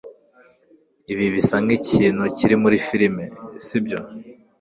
Ibi bisa nkikintu kiri muri firime, sibyo?